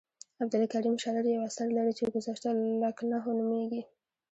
عبدالکریم شرر یو اثر لري چې ګذشته لکنهو نومیږي.